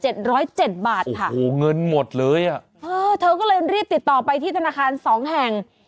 โอ้โหเงินหมดเลยอ่ะเออเธอก็เลยรีบติดต่อไปที่ธนาคารสองแห่ง